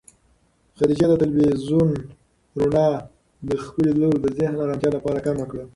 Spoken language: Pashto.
خدیجې د تلویزون رڼا د خپلې لور د ذهن د ارامتیا لپاره کمه کړه.